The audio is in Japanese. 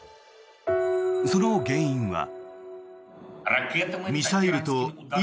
その原因は。